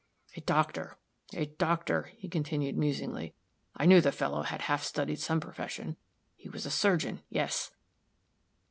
A doctor a doctor" he continued, musingly "I knew the fellow had half studied some profession he was a surgeon yes!